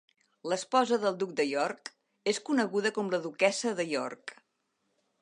L'esposa del Duc de York és coneguda com la Duquessa de York.